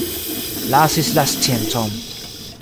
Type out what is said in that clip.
Lasis la sciencon.